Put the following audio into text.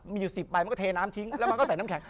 มีอยู่๑๐ใบมันก็เทน้ำทิ้งแล้วมันก็ใส่น้ำแข็ง